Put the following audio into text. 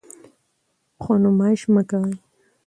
خو نمایش مه کوئ.